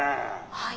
「はい。